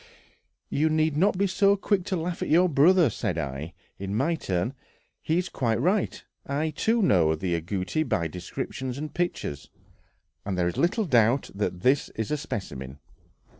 "You need not be so quick to laugh at your brother," said I, in my turn; "he is quite right. I, too, know the agouti by descriptions and pictures, and there is little doubt that this is a specimen.